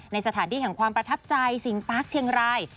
ในสถานที่แห่งความประทับใจสิงปาร์คเชียงราย